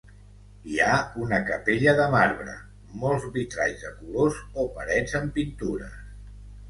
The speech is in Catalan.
Hi ha una capella de marbre, molt vitralls de colors o parets amb pintures.